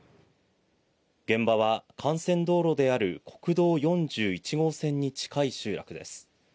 現場は幹線道路である国道４１号線に近い集落です。